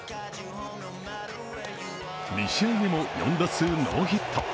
２試合目も４打数ノーヒット。